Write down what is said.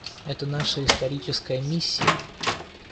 Это наша историческая миссия.